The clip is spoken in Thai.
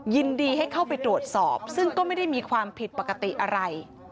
ยินดีให้เข้าไปตรวจสอบซึ่งก็ไม่ได้มีความผิดปกติอะไร